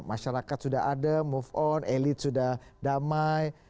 masyarakat sudah adem move on elit sudah damai